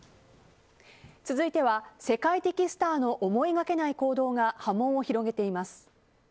続いては世界的スターの思いがけない行動が波紋を広げています。